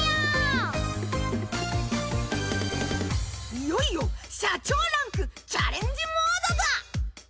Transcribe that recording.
いよいよ社長ランクチャレンジモードだ！